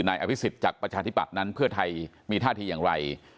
อภิษฎจากประชาธิบัตินั้นเพื่อไทยมีท่าทีอย่างไร